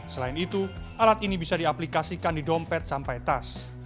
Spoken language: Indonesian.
selain itu alat ini bisa diaplikasikan di dompet sampai tas